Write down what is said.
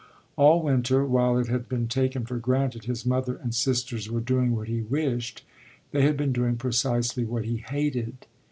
All winter, while it had been taken for granted his mother and sisters were doing what he wished, they had been doing precisely what he hated.